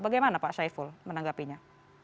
bagaimana pak syaiful menanggapinya